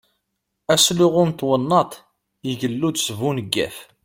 Asluɣu n twennaḍt igellu-d s buneggaf.